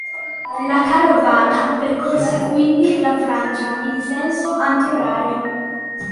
La carovana percorse quindi la Francia in senso antiorario.